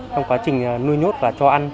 trong quá trình nuôi nhốt và cho ăn